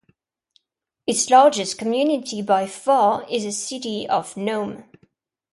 Its largest community by far is the city of Nome.